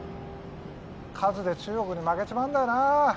数で中国に負けちまうんだよな